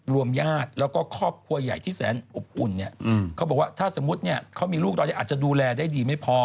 ญาติแล้วก็ครอบครัวใหญ่ที่แสนอบอุ่นเนี่ยเขาบอกว่าถ้าสมมุติเนี่ยเขามีลูกตอนนี้อาจจะดูแลได้ดีไม่พอ